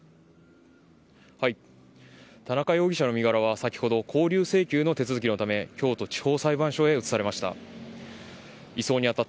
田中容疑者の身柄は先ほど勾留請求の手続きのため京都地方裁判所へ移されました。